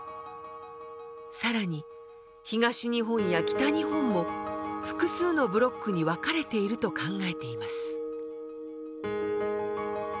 更に東日本や北日本も複数のブロックに分かれていると考えています。